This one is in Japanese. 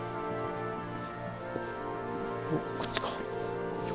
おこっちか。